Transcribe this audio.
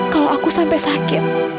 kalau aku sampai sakit